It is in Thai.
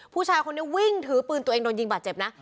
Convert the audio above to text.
ผู้ชายคนนี้วิ่งถือปืนตัวเองโดนยิงบาดเจ็บนะ